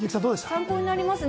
参考になります。